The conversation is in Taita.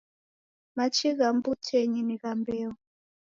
Machi gha mbutenyi ni gha mbeo